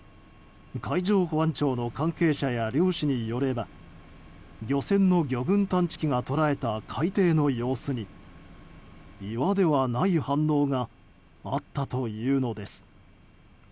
海上保安庁の関係者や漁師によれば漁船の魚群探知機が捉えた海底の様子に岩ではない反応があったというのです。